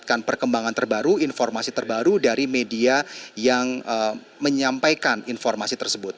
kita akan perkembangan terbaru informasi terbaru dari media yang menyampaikan informasi tersebut